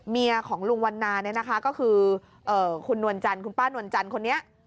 เมียของลุงวันนานเนี่ยนะคะก็คือคุณป้านวรรณจันทร์คนนี้